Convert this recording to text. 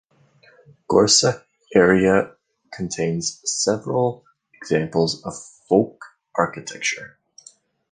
Gorce area contains several examples of folk architecture.